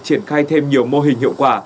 triển khai thêm nhiều mô hình hiệu quả